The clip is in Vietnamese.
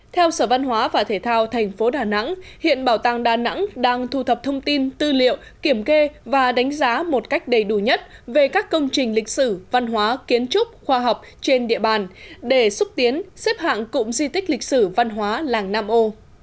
theo sở văn hóa và thể thao thành phố đà nẵng hiện bảo tàng đà nẵng đang thu thập thông tin tư liệu kiểm kê và đánh giá một cách đầy đủ nhất về các công trình lịch sử văn hóa kiến trúc khoa học trên địa bàn để xúc tiến xếp hạng cụm di tích lịch sử văn hóa làng nam ô